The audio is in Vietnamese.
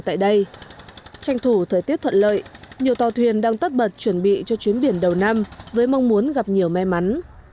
tranh thủ thời tiết thuận lợi nhiều tàu thuyền đang tất bật chuẩn bị cho chuyến biển đầu năm với mong muốn gặp nhiều may mắn